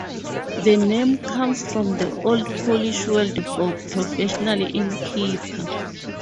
The name comes from the Old Polish word for professional innkeeper.